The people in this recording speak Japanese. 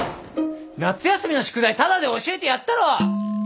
・夏休みの宿題タダで教えてやったろ！